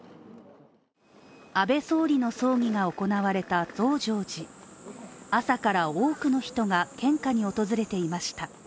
安倍総理の葬儀が行われた増上寺、朝から多くの人が献花に訪れていました。